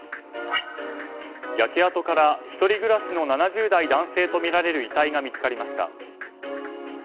焼け跡から１人暮らしの７０代男性とみられる遺体が見つかりました。